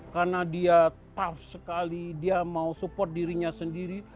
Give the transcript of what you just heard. karena dia tough sekali dia mau support dirinya sendiri